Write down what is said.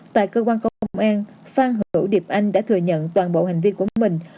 tại cơ quan công an phan hữu điệp anh đã thừa nhận toàn bộ hành vi của mình